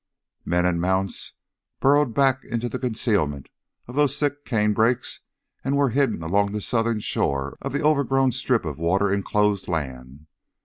Men and mounts burrowed back into the concealment of those thick canebrakes and were hidden along the southern shore of the overgrown strip of water enclosed land.